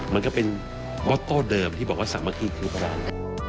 มันก็เป็นบ๊อตโต้เดิมที่บอกว่าสามัคคีคือพลัง